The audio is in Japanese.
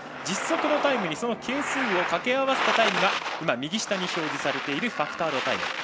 実測のタイムにその係数をかけ合わせたタイムが右下に表示されているファクタードタイム。